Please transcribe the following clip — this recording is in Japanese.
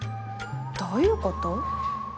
どういうこと？